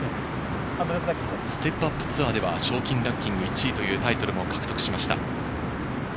ステップアップツアーでは賞金ランキング１位というタイトルも獲得しました。